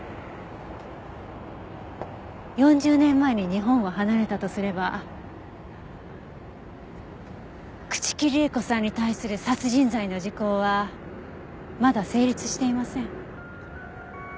４０年前に日本を離れたとすれば朽木里江子さんに対する殺人罪の時効はまだ成立していません。